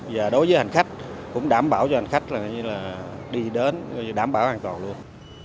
và đối với hành khách cũng đảm bảo cho hành khách là đi đến đảm bảo an toàn luôn